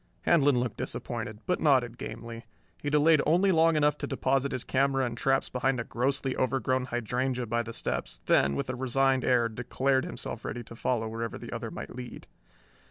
Handlon looked disappointed, but nodded gamely. He delayed only long enough to deposit his camera and traps behind a grossly overgrown hydrangea by the steps, then, with a resigned air, declared himself ready to follow wherever the other might lead.